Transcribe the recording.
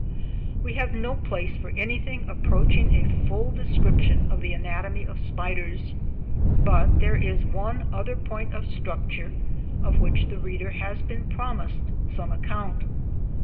We have no space for anything approaching a full description of the anatomy of spiders, but there is one other point of structure of which the reader has been promised some account.